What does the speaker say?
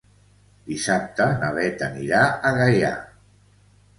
Dissabte na Beth anirà a Gaià.